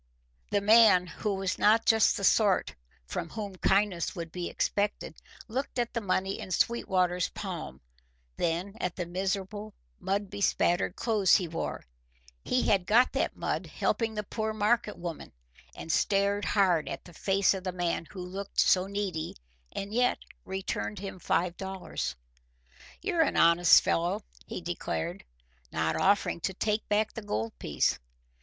The man, who was not just the sort from whom kindness would be expected, looked at the money in Sweetwater's palm, then at the miserable, mud bespattered clothes he wore (he had got that mud helping the poor market woman), and stared hard at the face of the man who looked so needy and yet returned him five dollars. "You're an honest fellow," he declared, not offering to take back the gold piece.